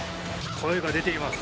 声が出ています。